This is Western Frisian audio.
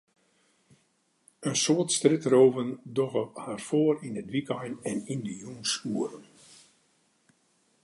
In soad strjitrôverijen dogge har foar yn it wykein en yn de jûnsoeren.